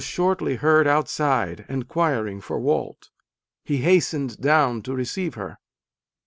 shortly heard outside, enquiring for Walt. He hastened down to receive her.